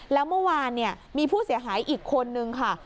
แล้วเมื่อวานมีผู้เสียหายอีกคนนึงค่ะ